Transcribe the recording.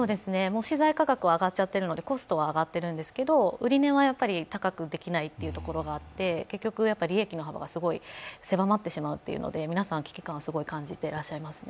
資材価格は上がってしまっているのでコストは上がっているのですが、売り値は高くできないところがあって、結局利益は狭まってしまうというので、皆さん危機感を感じていらっしゃいますね。